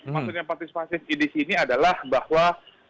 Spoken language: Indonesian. maksudnya partisipatif ini adalah bahwa